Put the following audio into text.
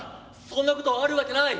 そんなことあるわけない。